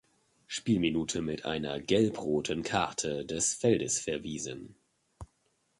Spielminute mit einer gelb-roten Karte des Feldes verwiesen.